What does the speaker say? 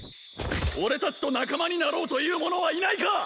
俺達と仲間になろうという者はいないか！